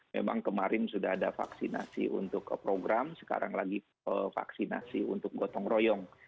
memang kemarin sudah ada vaksinasi untuk program sekarang lagi vaksinasi untuk gotong royong